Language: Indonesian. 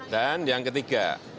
dan yang ketiga